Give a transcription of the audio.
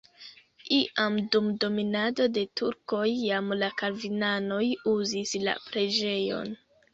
Iam dum dominado de turkoj jam la kalvinanoj uzis la preĝejon.